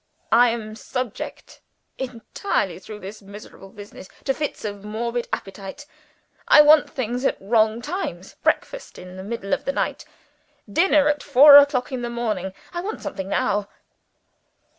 I am subject entirely through this miserable business to fits of morbid appetite. I want things at wrong times breakfast in the middle of the night; dinner at four in the morning. I want something now!"